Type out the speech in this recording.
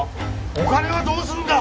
お金はどうするんだ！